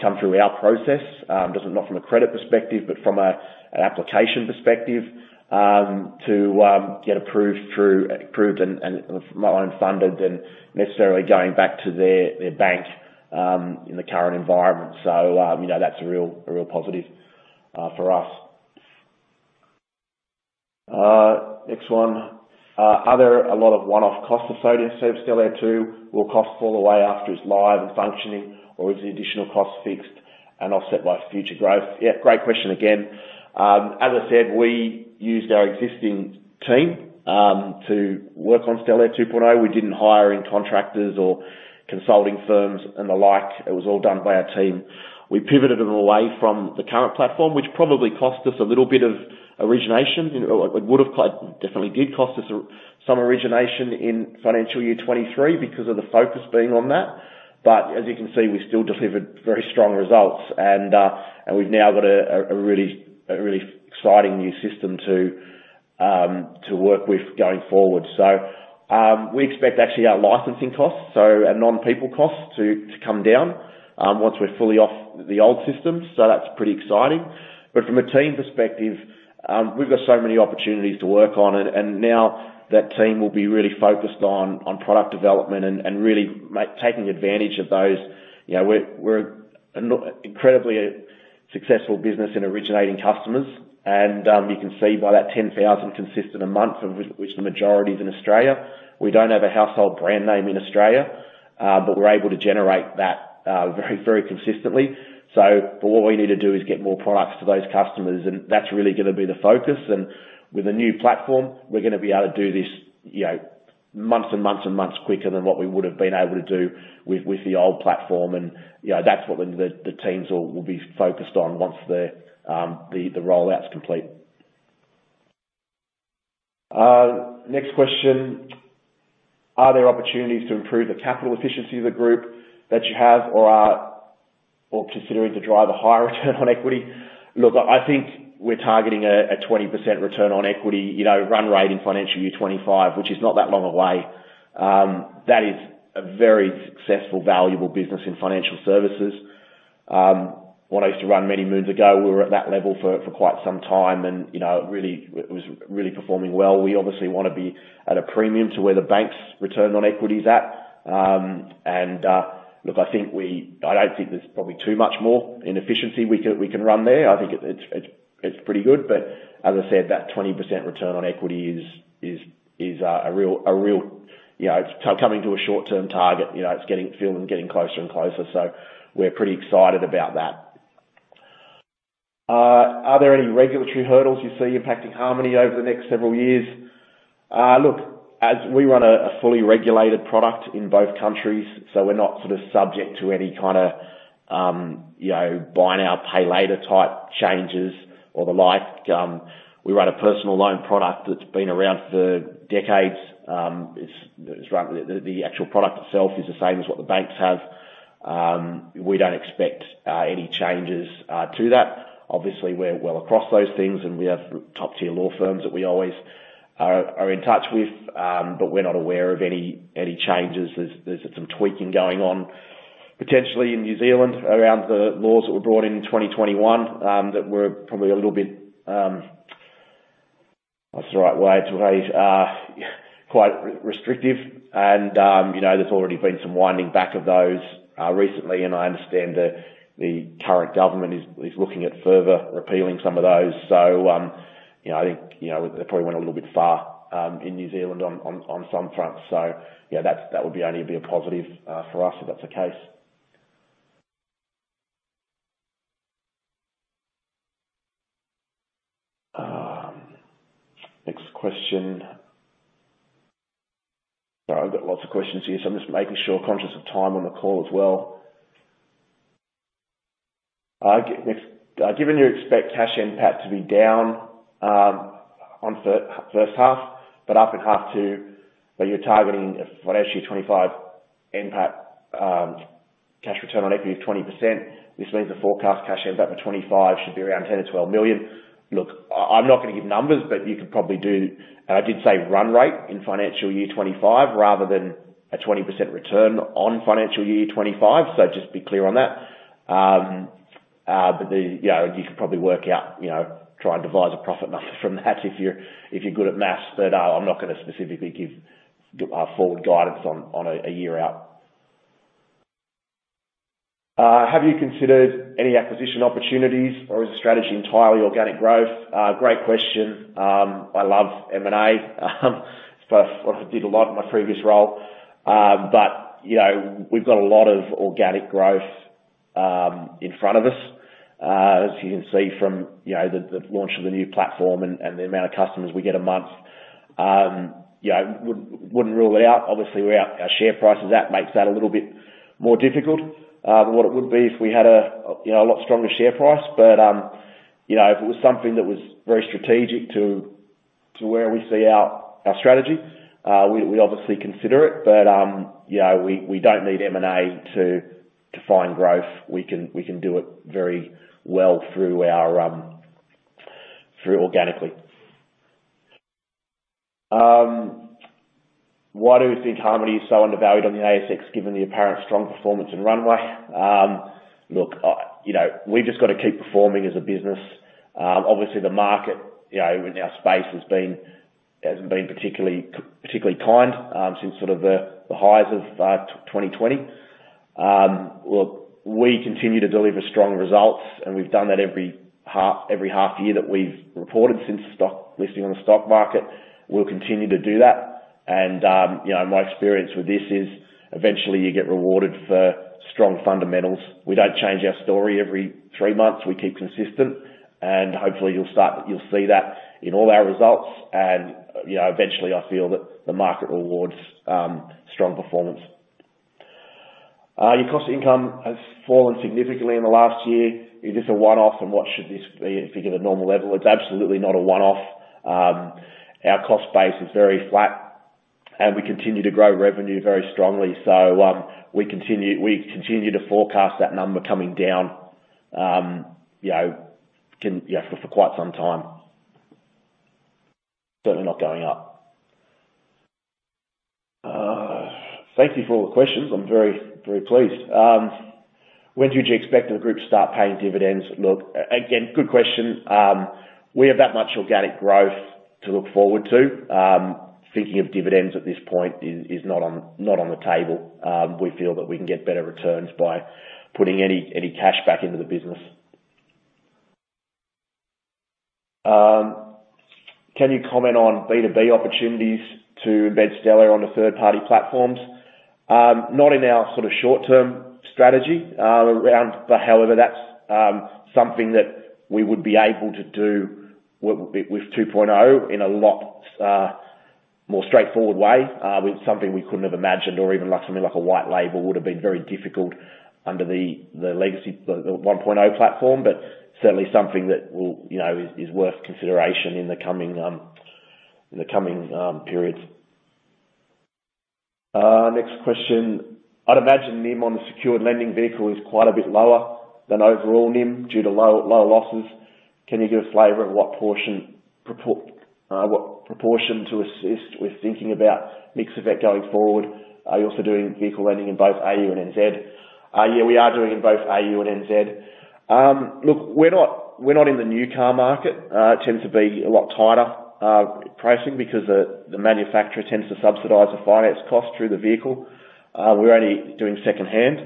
come through our process, not from a credit perspective, but from an application perspective, to get approved through, approved and, and loan funded than necessarily going back to their, their bank, in the current environment. So, you know, that's a real, a real positive, for us. Next one. Are there a lot of one-off costs associated with Stellare 2.0? Will costs fall away after it's live and functioning, or is the additional cost fixed and offset by future growth?" Yeah, great question again. As I said, we used our existing team to work on Stellare 2.0. We didn't hire in contractors or consulting firms and the like. It was all done by our team. We pivoted them away from the current platform, which probably cost us a little bit of origination. You know, it would have quite-- definitely did cost us some origination in financial year 2023 because of the focus being on that. But as you can see, we still delivered very strong results, and we've now got a really exciting new system to work with going forward. So, we expect actually our licensing costs, so our non-people costs, to come down once we're fully off the old system. So that's pretty exciting. But from a team perspective, we've got so many opportunities to work on, and now that team will be really focused on product development and really taking advantage of those. You know, we're an incredibly successful business in originating customers, and you can see by that 10,000 consistent a month, of which the majority is in Australia. We don't have a household brand name in Australia, but we're able to generate that very, very consistently. So but what we need to do is get more products to those customers, and that's really gonna be the focus. With the new platform, we're gonna be able to do this, you know, months and months and months quicker than what we would have been able to do with the old platform. And, you know, that's what the teams will be focused on once the rollout's complete. Next question. Are there opportunities to improve the capital efficiency of the group that you have or are considering to drive a higher return on equity? Look, I think we're targeting a 20% return on equity, you know, run rate in financial year 2025, which is not that long away. That is a very successful, valuable business in financial services. When I used to run many moons ago, we were at that level for quite some time, and, you know, it really. It was really performing well. We obviously wanna be at a premium to where the bank's return on equity is at. And, look, I think we—I don't think there's probably too much more in efficiency we can run there. I think it's pretty good. But as I said, that 20% return on equity is a real, a real, you know, it's coming to a short-term target, you know, it's getting feeling getting closer and closer, so we're pretty excited about that. Are there any regulatory hurdles you see impacting Harmoney over the next several years? Look, as we run a fully regulated product in both countries, so we're not sort of subject to any kind of, you know, buy now, pay later type changes or the like. We run a personal loan product that's been around for decades. It's run, the actual product itself is the same as what the banks have. We don't expect any changes to that. Obviously, we're well across those things, and we have top-tier law firms that we always are in touch with. But we're not aware of any changes. There's some tweaking going on, potentially in New Zealand, around the laws that were brought in in 2021, that were probably a little bit, what's the right way to phrase? Quite restrictive and, you know, there's already been some winding back of those recently, and I understand that the current government is looking at further repealing some of those. So, you know, I think, you know, they probably went a little bit far, in New Zealand on some fronts. So yeah, that's, that would be only be a positive, for us, if that's the case. Next question. Sorry, I've got lots of questions here, so I'm just making sure, conscious of time on the call as well. Next, given you expect Cash NPAT to be down, on first half, but up in half two, but you're targeting financial year 2025 NPAT, cash return on equity of 20%. This means the forecast Cash NPAT for 2025 should be around 10-12 million. Look, I, I'm not gonna give numbers, but you could probably do... I did say run rate in financial year 2025, rather than a 20% return on financial year 2025, so just be clear on that. But, you know, you could probably work out, you know, try and devise a profit number from that if you're good at math. But, I'm not gonna specifically give forward guidance on a year out. Have you considered any acquisition opportunities, or is the strategy entirely organic growth? Great question. I love M&A. So I did a lot in my previous role. But, you know, we've got a lot of organic growth in front of us. As you can see from, you know, the launch of the new platform and the amount of customers we get a month. You know, wouldn't rule it out. Obviously, we're out—our share price is out, makes that a little bit more difficult than what it would be if we had a, you know, a lot stronger share price. But, you know, if it was something that was very strategic to, to where we see our, our strategy, we, we'd obviously consider it. But, you know, we, we don't need M&A to, to find growth. We can, we can do it very well through our, through organically. Why do you think Harmoney is so undervalued on the ASX, given the apparent strong performance and runway? Look, you know, we've just got to keep performing as a business. Obviously, the market, you know, in our space, has been, hasn't been particularly, particularly kind, since sort of the, the highs of, 2020. Look, we continue to deliver strong results, and we've done that every half year that we've reported since stock listing on the stock market. We'll continue to do that. You know, my experience with this is, eventually you get rewarded for strong fundamentals. We don't change our story every three months. We keep consistent, and hopefully you'll see that in all our results. You know, eventually I feel that the market rewards strong performance. Your cost-to-income has fallen significantly in the last year. Is this a one-off, and what should this be if you get a normal level? It's absolutely not a one-off. Our cost base is very flat, and we continue to grow revenue very strongly. We continue to forecast that number coming down, you know, for quite some time. Certainly not going up. Thank you for all the questions. I'm very, very pleased. When do you expect the group to start paying dividends? Look, again, good question. We have that much organic growth to look forward to. Thinking of dividends at this point is not on the table. We feel that we can get better returns by putting any cash back into the business. Can you comment on B2B opportunities to embed Stellare on the third-party platforms? Not in our sort of short-term strategy, around... But however, that's something that we would be able to do with 2.0 in a lot more straightforward way, with something we couldn't have imagined or even like something like a white label would have been very difficult under the legacy, the 1.0 platform, but certainly something that will, you know, is worth consideration in the coming periods. Next question: I'd imagine NIM on the secured lending vehicle is quite a bit lower than overall NIM due to low losses. Can you give us a flavor of what proportion to assist with thinking about mix effect going forward? Are you also doing vehicle lending in both AU and NZ? Yeah, we are doing in both AU and NZ. Look, we're not, we're not in the new car market, it tends to be a lot tighter pricing because the, the manufacturer tends to subsidize the finance cost through the vehicle. We're only doing secondhand,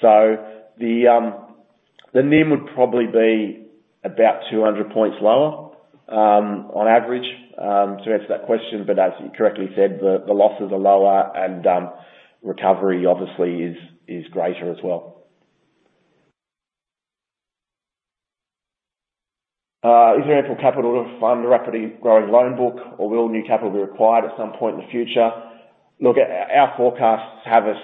so the, the NIM would probably be about 200 points lower, on average, to answer that question. But as you correctly said, the, the losses are lower and, recovery obviously is, is greater as well. Is there ample capital to fund a rapidly growing loan book, or will new capital be required at some point in the future? Look, our, our forecasts have us,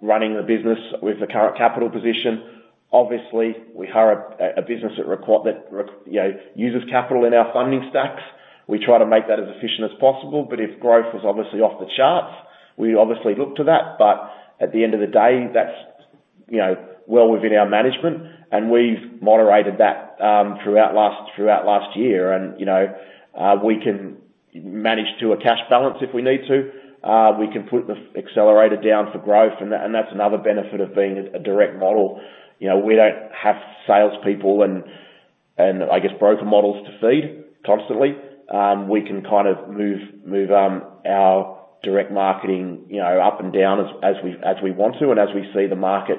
running the business with the current capital position. Obviously, we are a, a business that require, you know, uses capital in our funding stacks. We try to make that as efficient as possible, but if growth was obviously off the charts, we obviously look to that. But at the end of the day, that's, you know, well within our management, and we've moderated that throughout last year. You know, we can manage to a cash balance if we need to. We can put the accelerator down for growth, and that's another benefit of being a direct model. You know, we don't have salespeople and I guess broker models to feed constantly. We can kind of move our direct marketing, you know, up and down as we want to, and as we see the market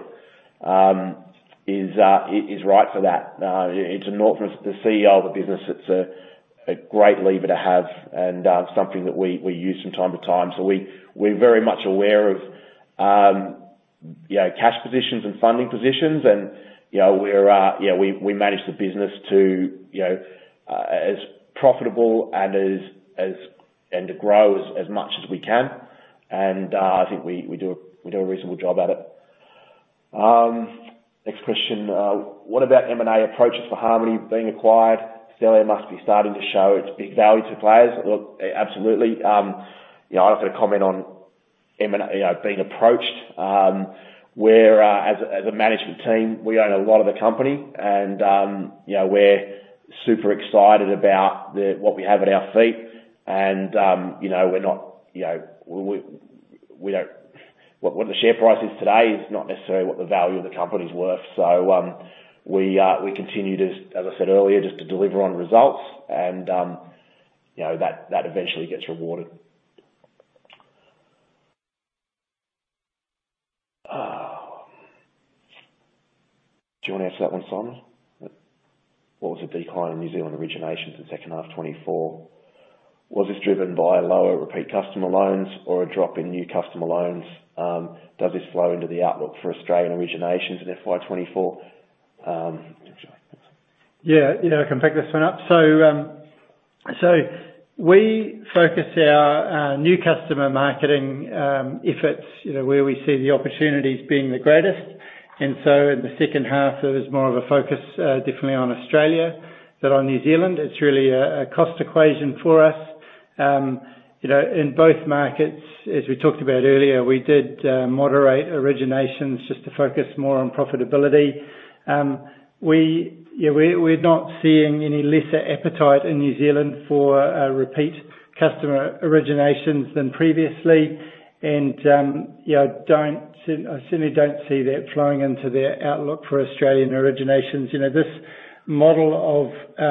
is right for that. It's enormous, the CEO of the business. It's a great lever to have and something that we use from time to time. So we're very much aware of, you know, cash positions and funding positions, and, you know, we're, yeah, we manage the business to, you know, as profitable and as, and to grow as much as we can. And I think we do a reasonable job at it. Next question: What about M&A approaches for Harmoney being acquired? Stellare must be starting to show its big value to players. Look, absolutely, you know, I've got to comment on M&A, you know, being approached. We're a management team, we own a lot of the company and, you know, we're super excited about what we have at our feet. And, you know, we're not, you know, we don't-- What the share price is today is not necessarily what the value of the company's worth. So, we continue to, as I said earlier, just to deliver on results and, you know, that eventually gets rewarded. Do you want to answer that one, Simon? What was the decline in New Zealand origination in the second half 2024? Was this driven by lower repeat customer loans or a drop in new customer loans? Does this flow into the outlook for Australian originations in FY 2024? I'm sorry. Yeah, you know, I can pick this one up. So, we focus our new customer marketing efforts, you know, where we see the opportunities being the greatest. And so in the second half, there was more of a focus definitely on Australia than on New Zealand. It's really a cost equation for us. You know, in both markets, as we talked about earlier, we did moderate originations just to focus more on profitability. Yeah, we're not seeing any lesser appetite in New Zealand for repeat customer originations than previously. And yeah, I don't see, I certainly don't see that flowing into the outlook for Australian originations. You know, this model of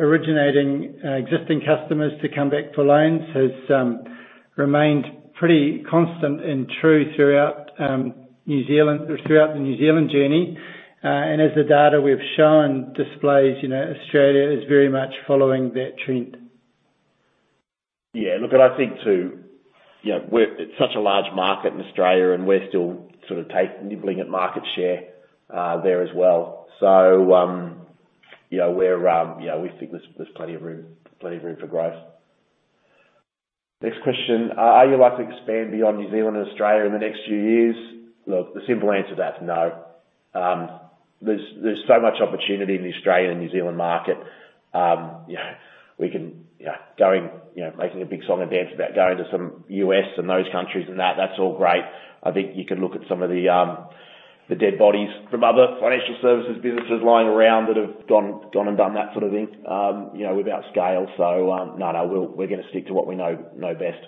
originating existing customers to come back for loans has remained pretty constant and true throughout New Zealand- or throughout the New Zealand journey. As the data we've shown displays, you know, Australia is very much following that trend. Yeah, look, and I think, too, you know, it's such a large market in Australia, and we're still sort of nibbling at market share there as well. So, you know, we're, yeah, we think there's, there's plenty of room, plenty of room for growth. Next question: Are you likely to expand beyond New Zealand and Australia in the next few years? Look, the simple answer to that is no. There's, there's so much opportunity in the Australian and New Zealand market. You know, we can, you know, making a big song and dance about going to some U.S. and those countries, and that, that's all great. I think you can look at some of the, the dead bodies from other financial services, businesses lying around that have gone and done that sort of thing, you know, without scale. So, no, no, we'll, we're gonna stick to what we know best.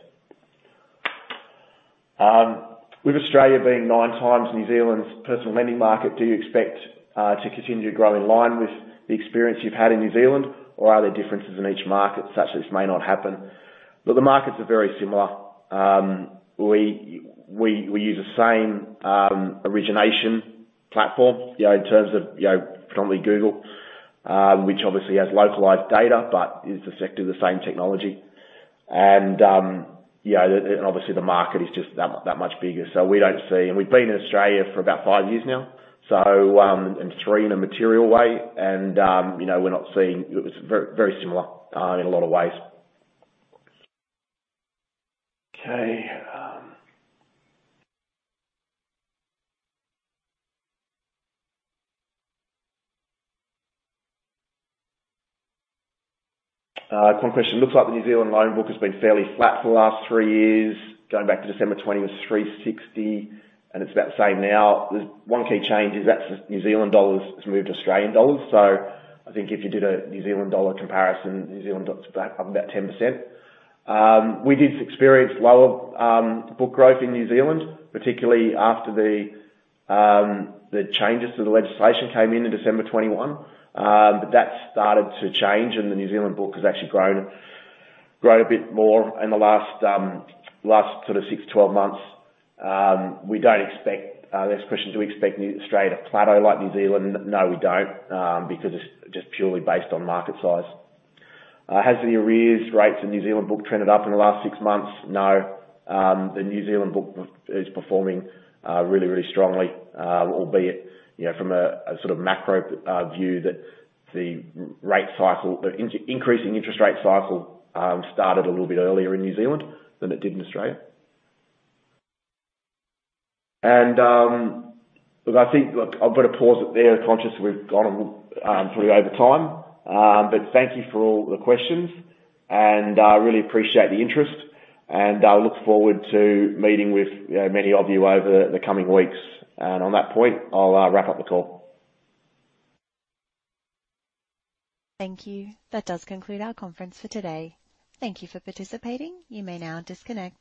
With Australia being 9 times New Zealand's personal lending market, do you expect to continue to grow in line with the experience you've had in New Zealand? Or are there differences in each market, such as may not happen? But the markets are very similar. We use the same origination platform, you know, in terms of, you know, primarily Google, which obviously has localized data, but is effectively the same technology. And, you know, and obviously, the market is just that, that much bigger, so we don't see— And we've been in Australia for about five years now. So, and three in a material way, and, you know, we're not seeing— it was very, very similar, in a lot of ways. Okay, one question: Looks like the New Zealand loan book has been fairly flat for the last three years, going back to December 2020 was 360, and it's about the same now. There's one key change, is that's New Zealand dollars has moved to Australian dollars. So I think if you did a New Zealand dollar comparison, New Zealand dollar's up about 10%. We did experience lower, book growth in New Zealand, particularly after the, the changes to the legislation came in, in December 2021. But that started to change, and the New Zealand book has actually grown a bit more in the last sort of six-12 months. We don't expect... Next question, do we expect Australia to plateau like New Zealand? No, we don't, because it's just purely based on market size. Has the arrears rates in New Zealand book trended up in the last six months? No. The New Zealand book is performing really, really strongly. Albeit, you know, from a sort of macro view that the rate cycle, the increasing interest rate cycle, started a little bit earlier in New Zealand than it did in Australia. And look, I think, look, I've got to pause it there, conscious we've gone through over time. But thank you for all the questions, and I really appreciate the interest, and I look forward to meeting with, you know, many of you over the coming weeks. And on that point, I'll wrap up the call. Thank you. That does conclude our conference for today. Thank you for participating. You may now disconnect.